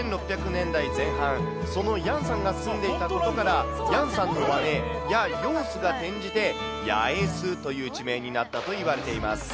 １６００年代前半、そのヤンさんが住んでいたことから、ヤンさんの和名、やようすが転じて八重洲という地名になったといわれています。